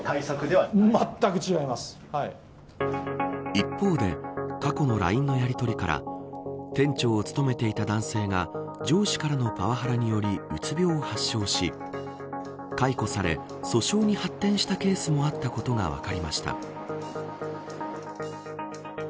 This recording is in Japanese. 一方で、過去のＬＩＮＥのやりとりから店長を務めていた男性が上司からのパワハラによりうつ病を発症し解雇され、訴訟に発展したケースもあったことがあれ？